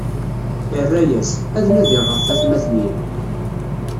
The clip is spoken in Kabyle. Irra-yas: Ad tnadiɣ ɣef watmaten-iw.